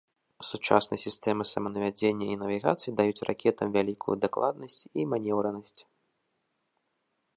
Сучасныя сістэмы саманавядзення і навігацыі даюць ракетам вялікую дакладнасць і манеўранасць.